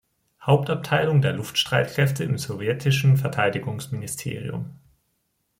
Hauptabteilung der Luftstreitkräfte im sowjetischen Verteidigungsministerium.